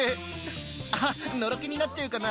あっのろけになっちゃうかな。